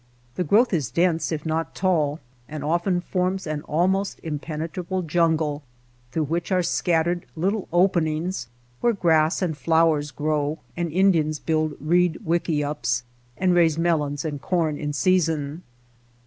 The growth is dense if not tall and often forms an almost impenetrable jungle through which are scat tered little openings where grass and flowers grow and Indians build reed wickiups and raise melons and corn in season.